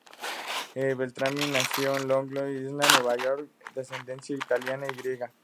Beltrami nació en Long Island, Nueva York, de ascendencia italiana y griega.